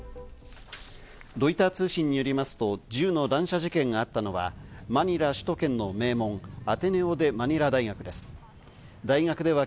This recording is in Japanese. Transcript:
ロイター通信によりますと、銃の乱射事件があったのは、マニラ首都圏の名門、アテネオ・デ・マニラ大学です。